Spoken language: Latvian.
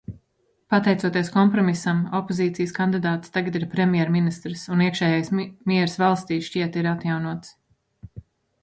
Pateicoties kompromisam, opozīcijas kandidāts tagad ir premjerministrs, un iekšējais miers valstī, šķiet, ir atjaunots.